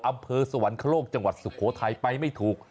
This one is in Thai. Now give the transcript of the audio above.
อำเภอสวรรคโลกจังหวัดสุโขทัยไปไม่ถูก